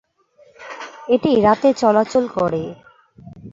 এটি রাতে চলাচল করে।